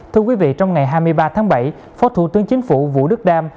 thưa quý vị trong ngày hai mươi ba tháng bảy phó thủ tướng chính phủ vũ đức đam